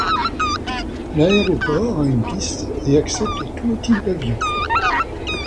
L'aéroport a une piste et accepte tous les types d'avions.